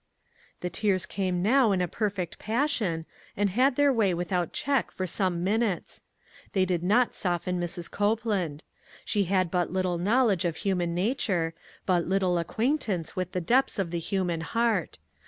The tears came now in a perfect passion, and had their way without check for some minutes. They did not soften Mrs. Cope laud. She had but little knowledge of hu man nature ; but little acquaintance with the depths of the human heart.